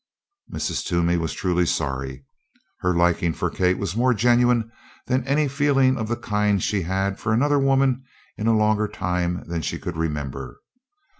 Mrs. Toomey was truly sorry. Her liking for Kate was more genuine than any feeling of the kind she had had for another woman in a longer time than she could remember.